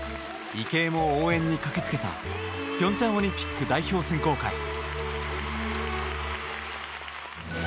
池江も応援に駆け付けた平昌オリンピック代表選考会。